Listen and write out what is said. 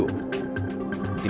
tim liputan cnn indonesia